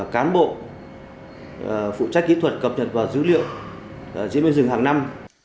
cán bộ phụ trách kỹ thuật cập nhật vào dữ liệu diễn biến rừng hàng năm